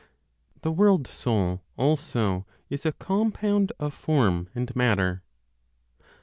THE WORLD SOUL ALSO IS A COMPOUND OF FORM AND MATTER.